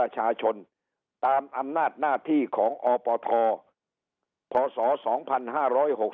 ชนตามอำนาจหน้าที่ของอปทอภศสองพันห้าร้อยหก